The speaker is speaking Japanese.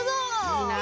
いいな。